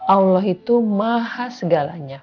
allah itu maha segalanya